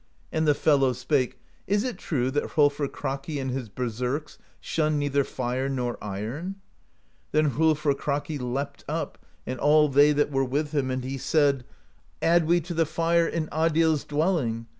And the fellows spake: 'Is it true that Hrolfr Kraki and his berserks shun neither fire nor iron?' Then Hrolfr Kraki leapt up, and all they that were with him; and he said: 172 PROSE EDDA 'Add we to the fire In Adils' dwelling!'